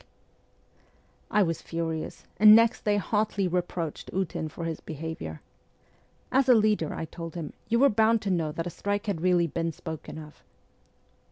FIRST JOURNEY ABROAD 65 I was furious, and next day hotly reproached Ootin for his behaviour. ' As a leader,' I told him, ' you were bound to know that a strike had really been spoken of.'